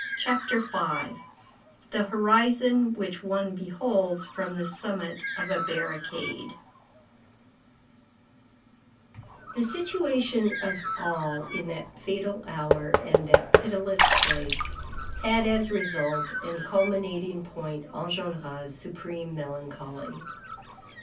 CHAPTER V—THE HORIZON WHICH ONE BEHOLDS FROM THE SUMMIT OF A BARRICADE The situation of all in that fatal hour and that pitiless place, had as result and culminating point Enjolras' supreme melancholy.